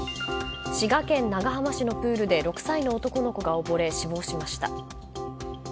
滋賀県長浜市のプールで６歳の男の子がおぼれ死亡しました。